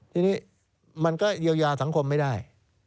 ทีนี้มันก็เยียวยาสังคมไม่ได้